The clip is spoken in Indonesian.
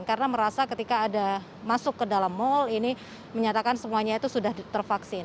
karena merasa ketika ada masuk ke dalam mal ini menyatakan semuanya itu sudah tervaksin